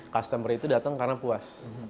customer itu datang karena puas